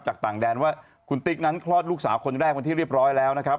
ต่างแดนว่าคุณติ๊กนั้นคลอดลูกสาวคนแรกเป็นที่เรียบร้อยแล้วนะครับ